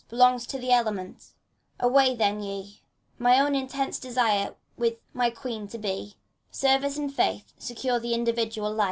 Belongs but to the elements : away then, ye ! ACT III, 185 My own intense desire is with my Queen to be ; Service and faith secure the individual life.